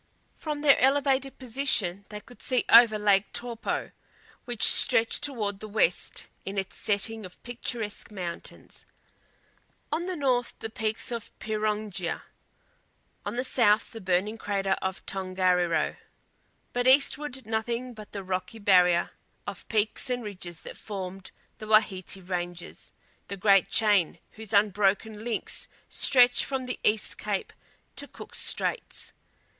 From their elevated position they could see over Lake Taupo, which stretched toward the west in its setting of picturesque mountains. On the north the peaks of Pirongia; on the south the burning crater of Tongariro. But eastward nothing but the rocky barrier of peaks and ridges that formed the Wahiti ranges, the great chain whose unbroken links stretch from the East Cape to Cook's Straits.